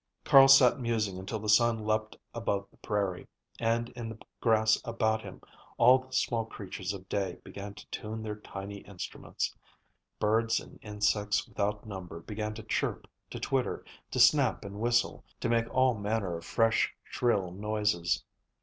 Carl sat musing until the sun leaped above the prairie, and in the grass about him all the small creatures of day began to tune their tiny instruments. Birds and insects without number began to chirp, to twitter, to snap and whistle, to make all manner of fresh shrill noises.